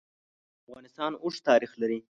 افغانستان اوږد تاریخ لري.